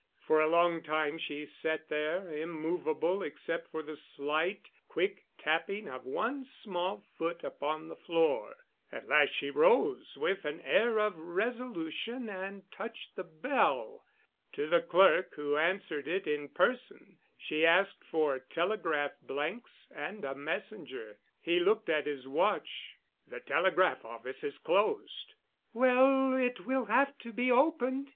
For a long time she sat there, immovable except for the slight, quick tapping of one small foot upon the floor. At last she rose with an air of resolution and touched the bell. To the clerk, who answered it in person, she asked for telegraph blanks and a messenger. He looked at his watch. "The telegraph office is closed." "Well, it will have to be opened.